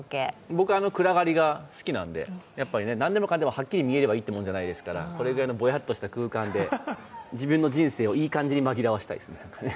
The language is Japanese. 僕は暗がりが好きなのでなんでもかんでもはっかり見えればいいってものではないですからこれぐらいのぼやっとした空間で、自分の人生をいい感じに紛らわせたいですね。